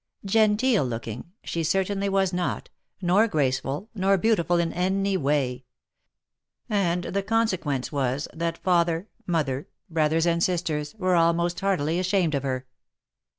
" Genteel /ooki?ig" she certainly was not, nor graceful, nor beautiful in any way ; and the consequence was, that father, mo ther, brothers, and sisters, were all most heartily ashamed of her.